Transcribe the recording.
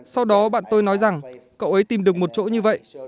sau đó bạn tôi nói rằng cậu ấy tìm được một chỗ như vậy